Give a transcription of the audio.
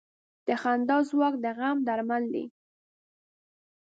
د خندا ځواک د غم درمل دی.